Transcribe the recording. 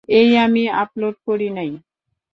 এই আমি আপলোড করি নাই।